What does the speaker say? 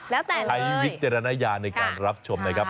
แล้วแต่ใช้วิจารณญาณในการรับชมนะครับ